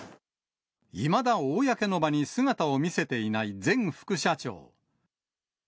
いまだ公の場に姿を見せていない前副社長。